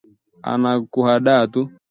Anakuhadaa tu